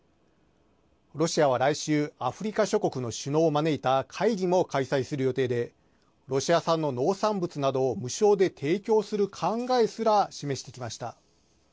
ロシアは来週、アフリカ諸国の首脳を招いた会議も開催する予定で、ロシア産の農産物など、無償で提供する考えすら示してきました。